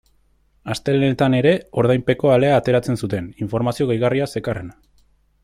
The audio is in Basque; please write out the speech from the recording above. Astelehenetan ere ordainpeko alea ateratzen zuten, informazio gehigarria zekarrena.